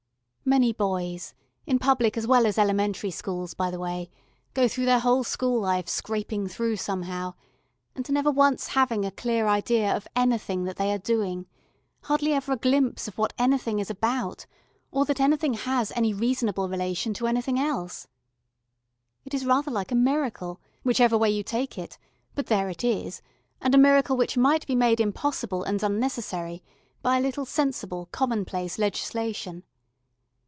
Many boys in public as well as elementary schools by the way go through their whole school life "scraping through somehow," and never once having a clear idea of anything that they are doing, hardly ever a glimpse of what anything is about or that anything has any reasonable relation to anything else. It is rather like a miracle, whichever way you take it, but there it is, and a miracle which might be made impossible and unnecessary by a little sensible commonplace legislation.